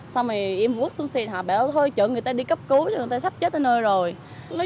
xong rồi em quất xuống xe họ bảo thôi chở người ta đi cấp cứu người ta sắp chết ở nơi rồi nói